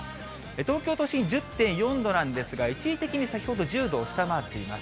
東京都心１０．４度なんですが、一時的に先ほど１０度を下回っています。